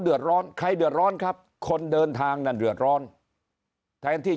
เดือดร้อนใครเดือดร้อนครับคนเดินทางนั่นเดือดร้อนแทนที่